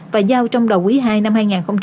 và giao trong đầu quý hai năm hai nghìn hai mươi hai